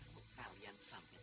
kalau kalian sampai